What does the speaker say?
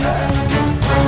perasaan semua saping kayak gini